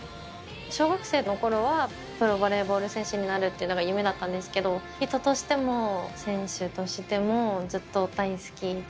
小学生の頃はプロバレーボール選手になるっていうのが夢だったんですけど人としても選手としてもずっと大好きで。